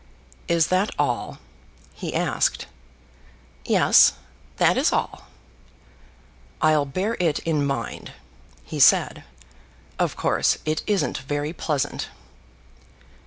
"Is that all?" he asked. "Yes; that is all." "I'll bear it in mind," he said. "Of course it isn't very pleasant."